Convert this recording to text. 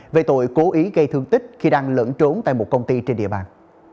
về tội cố ý gây thương tích khi đang lẫn trốn tại một công ty trên địa bàn